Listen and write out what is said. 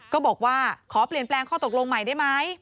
ก็บอกว่าขอเปลี่ยนแปลงข้อตกลงใหม่ได้ไหม